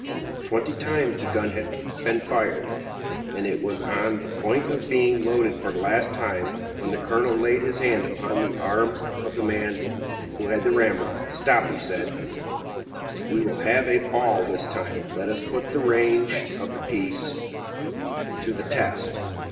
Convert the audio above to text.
Twenty times had the gun been fired, and it was on the point of being loaded for the last time, when the colonel laid his hand upon the arm of the man who had the ramrod. "Stop!" he said; "we will have a ball this time. Let us put the range of the piece to the test."